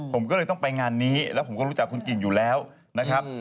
ผมก็เลยต้องไปงานนี้แล้วผมก็รู้จักคุณกิ่งอยู่แล้วนะครับ